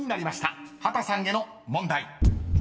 ［畑さんへの問題］